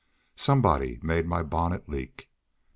Somebody made my bonnet leak."